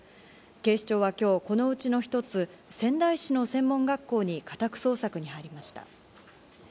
警視庁は今日、このうちの一つ、仙台市の専門学校に家宅捜索に入りました。